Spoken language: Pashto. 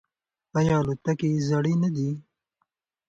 آیا الوتکې یې زړې نه دي؟